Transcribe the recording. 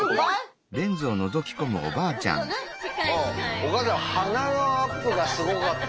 お母さん鼻のアップがすごかった。